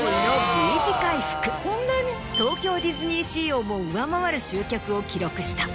東京ディズニーシーをも上回る集客を記録した。